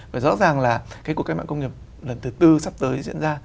và rõ ràng là cái cuộc cách mạng công nghiệp lần thứ tư sắp tới diễn ra